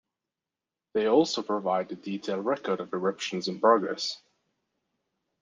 They also provide a detailed record of eruptions in progress.